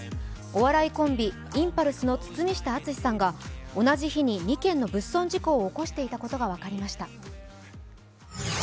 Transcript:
お笑いコンビ、インパルスの堤下敦さんが同じ日に２件の物損事故を起こしていたことが分かりました。